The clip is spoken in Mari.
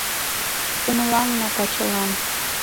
Кумылаҥна тачылан.